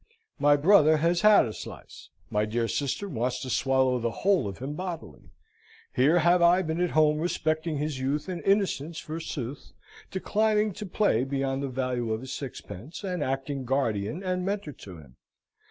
My brother has had a slice; my dear sister wants to swallow the whole of him bodily. Here have I been at home respecting his youth and innocence forsooth, declining to play beyond the value of a sixpence, and acting guardian and Mentor to him.